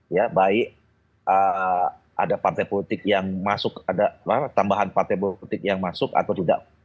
ya baik ada partai politik yang masuk ada tambahan partai politik yang masuk atau tidak